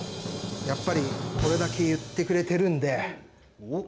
やっぱりこれだけ言ってくれてるんで。